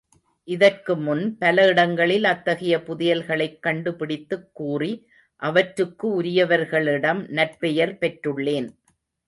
இதற்குமுன் பல இடங்களில் அத்தகைய புதையல்களைக் கண்டுபிடித்துக் கூறி அவற்றுக்கு உரியவர்களிடம் நற்பெயர் பெற்றுள்ளேன்.